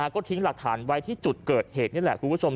ก็ทิ้งหลักฐานไว้ที่จุดเกิดเหตุนี่แหละคุณผู้ชม